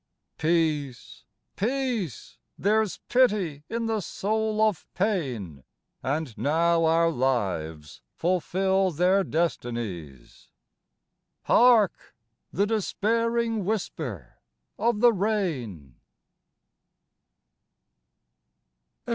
Peace ! Peace ! there's pity in the soul of pain, And now our lives fulfil their destinies Hark ! the despairing whisper of the rain.